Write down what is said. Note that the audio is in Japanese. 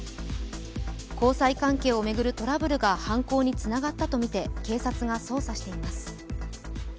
交際関係を巡るトラブルが犯行につながったとみて警察が捜査しています。